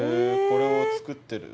これを作ってる。